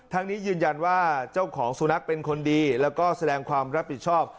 นี้ยืนยันว่าเจ้าของสุนัขเป็นคนดีแล้วก็แสดงความรับผิดชอบ